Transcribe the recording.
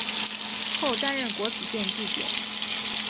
后担任国子监祭酒。